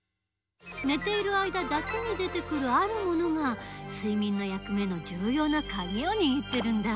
寝ている間だけに出てくるあるものが睡眠の役目のじゅうようなカギをにぎってるんだ。